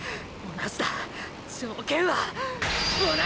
同じだ条件は同じだ！！